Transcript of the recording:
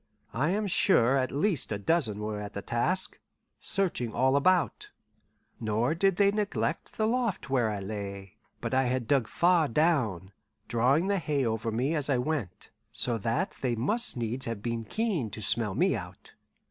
I am sure at least a dozen were at the task, searching all about; nor did they neglect the loft where I lay. But I had dug far down, drawing the hay over me as I went, so that they must needs have been keen to smell me out.